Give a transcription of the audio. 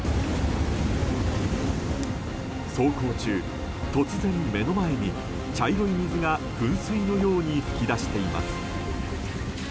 走行中、突然目の前に茶色い水が噴水のように噴き出しています。